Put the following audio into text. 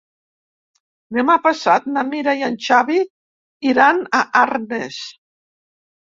Demà passat na Mira i en Xavi iran a Arnes.